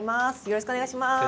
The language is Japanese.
よろしくお願いします。